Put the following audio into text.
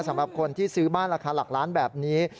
สำหรับคนที่ซื้อบ้านราคาหลักล้านแบบนี้